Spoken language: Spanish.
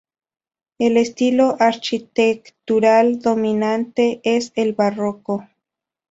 El estilo architectural dominante es el barroco.